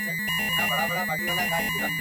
هغه د ډوډۍ بوی په پوزې کې حس کاوه.